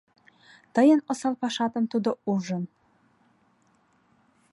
Тыйын осал пашатым тудо ужын.